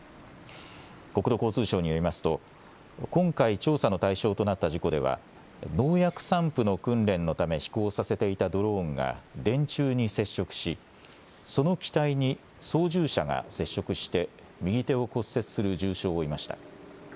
国土交通省によりますと今回、調査の対象となった事故では農薬散布の訓練のため飛行させていたドローンが電柱に接触しその機体に操縦者が接触して右手を骨折する重傷を負いました。